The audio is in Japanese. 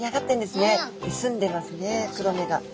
すんでますね黒目が。